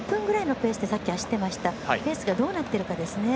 ペースがどうなっているか。